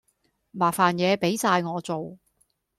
麻煩野俾哂我做